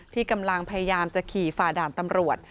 ที่กำลังพยายามจะขี่ฝ่าด่านตำรวจ